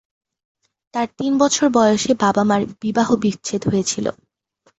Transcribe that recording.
তার তিন বছর বয়সে বাবা-মার বিবাহ বিচ্ছেদ হয়েছিল।